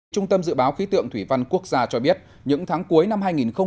trung tâm dự báo khí tượng thủy văn quốc gia cho biết những tháng cuối năm hai nghìn một mươi chín